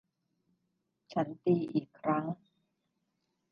ฉันตีอีกครั้ง